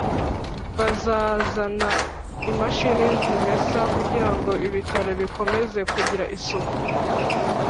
Bazazana imashini zimesa kugira ngo Ibitaro bikomeze kugira isuku